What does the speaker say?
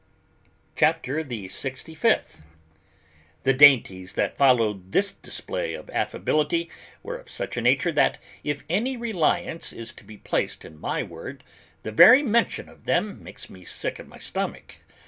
CHAPTER THE SIXTY FIFTH. The dainties that followed this display of affability were of such a nature that, if any reliance is to be placed in my word, the very mention of them makes me sick at the stomach.